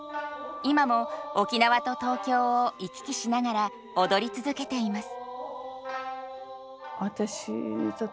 今も沖縄と東京を行き来しながら踊り続けています。